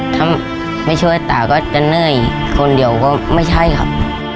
ถ้าไม่ช่วยตาก็จะเหนื่อยคนเดียวก็ไม่ใช่ครับ